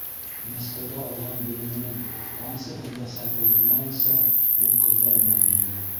Мәскәүҙә алған белеменең тамсыһын да сайпылдырмайынса ул ҡыҙҙарына бирҙе.